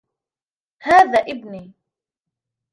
هذا إبني.